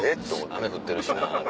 雨降ってるしな。